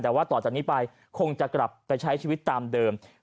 แต่ว่าต่อจากนี้ไปคงจะกลับไปใช้ชีวิตตามเดิม